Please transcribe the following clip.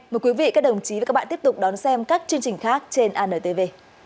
mời quý vị các đồng chí và các bạn tiếp tục đón xem các chương trình khác trên antv